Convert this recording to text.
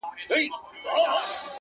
سرومال به مو تر مېني قرباني کړه!.